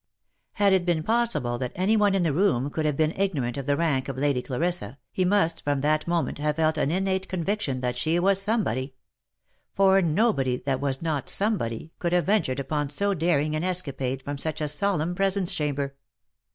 Had it been possible that any one in the room could have been ignorant of the rank of Lady Clarissa, he must from that moment have felt an innate conviction that she was somebody ; for nobody that was not somebody could have ventured upon so daring an escapade from such a solemn presence chamber.